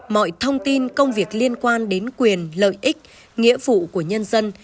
mọi thông tin công việc liên quan đến quyền lợi ích nghĩa vụ của nhân dân